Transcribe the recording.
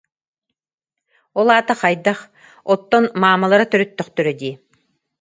Ол аата хайдах, оттон маамалар төрөттөхтөрө дии